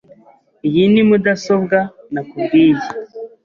Iyi ni mudasobwa nakubwiye.